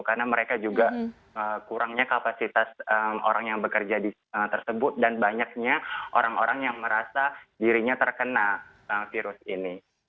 karena mereka juga kurangnya kapasitas orang yang bekerja di sana tersebut dan banyaknya orang orang yang merasa dirinya terkena virus ini